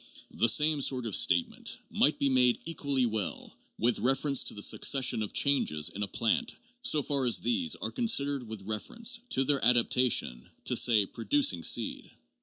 The same sort of statement might be made equally well with reference to the succession of changes in a plant, so far as these are con sidered with reference to their adaptation to, say, producing seed.